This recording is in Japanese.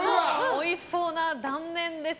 おいしそうな断面です。